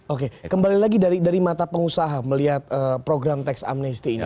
oke kembali lagi dari mata pengusaha melihat program teks amnesty ini